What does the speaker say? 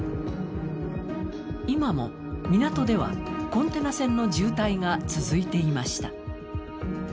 今も港ではコンテナ船の渋滞が続いていました。